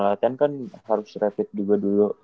latihan kan harus rapid juga dulu